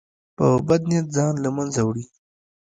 بد نیت ځان له منځه وړي.